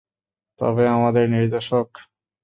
তবে আমাদের নির্দেশক?